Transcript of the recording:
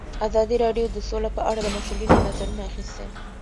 ازادي راډیو د سوله په اړه د مسؤلینو نظرونه اخیستي.